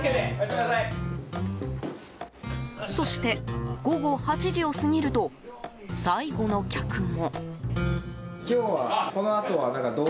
そして、午後８時を過ぎると最後の客も。